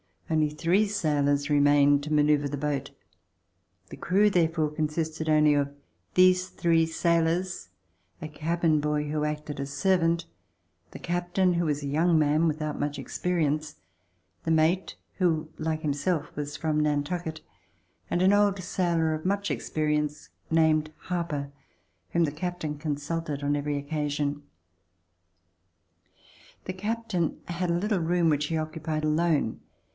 Only three sailors remained to manoeuvre the boat. The crew therefore consisted only of these three sailors, a cabin boy who acted as servant, the cap tain, who was a young man without much experience, the mate, who like himself was from Nantucket, and an old sailor of much experience named Harper whom the captain consulted on every occasion. The captain had a little room which he occupied alone.